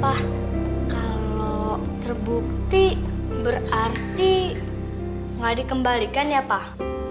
pak kalau terbukti berarti gak dikembalikan ya pak